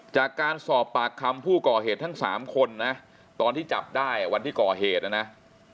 จากการสอบปากคำผู้ก่อเหตุทั้ง๓คนนะตอนที่จับได้วันที่ก่อเหตุนะนะ